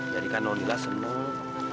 jadi kan nolilah senang